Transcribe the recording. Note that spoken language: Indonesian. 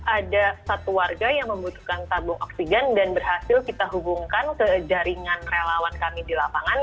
ada satu warga yang membutuhkan tabung oksigen dan berhasil kita hubungkan ke jaringan relawan kami di lapangan